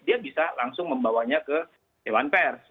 dia bisa langsung membawanya ke dewan pers